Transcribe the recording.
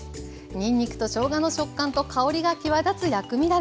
にんにくとしょうがの食感と香りが際立つ薬味だれ。